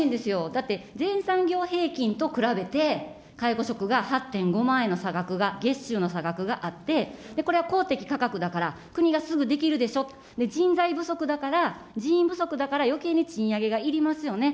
だって、全産業平均と比べて、介護職が８．５万円の差額が、月収の差額があって、これは公的価格だから、国がすぐできるでしょ、人材不足だから、人員不足だからよけいに賃上げがいりますよね。